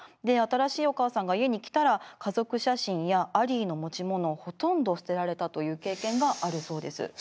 で新しいお母さんが家に来たら家族写真やアリーの持ち物をほとんど捨てられたという経験があるそうです。